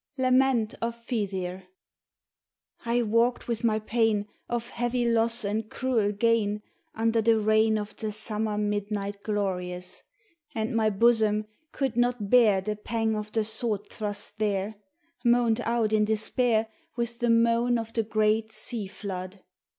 Xament of jfttbir I WALKED with my pain Of heavy loss and cruel gain Under the reign Of the summer midnight glorious, And my bosom could not bear The pang of the sword thrust there, Moaned out in despair With the moan of the great sea flood.